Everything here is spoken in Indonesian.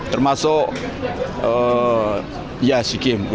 termasuk sea games u dua puluh